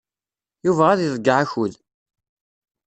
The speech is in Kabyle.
Yuba ad iḍeyyeɛ akud.